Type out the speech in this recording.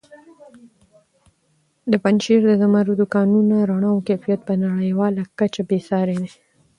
د پنجشېر د زمردو کانونو رڼا او کیفیت په نړیواله کچه بې ساري دی.